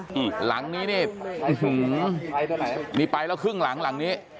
นี่หลังนี้นี่ไปแล้วครึ่งหลังหลังนี้